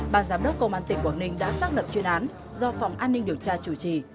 ban giám đốc công an tỉnh quảng ninh đã xác lập chuyên án do phòng an ninh điều tra chủ trì